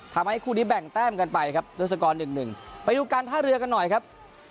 ทำให้คู่นี้แบ่งแต้มกันไปครับด้วยสกร๑๑ไปดูการท่าเรือกันหน่อยครับ